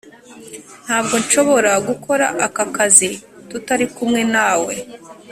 ntabwo nshobora gukora aka kazi tutari kumwe nawe.